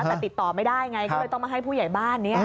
แต่ติดต่อไม่ได้ไงก็เลยต้องมาให้ผู้ใหญ่บ้าน